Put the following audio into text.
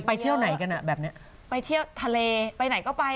เที่ยวไหนกันอ่ะแบบนี้ไปเที่ยวทะเลไปไหนก็ไป